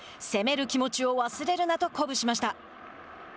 攻める気持ちを忘れるなと鼓舞しました。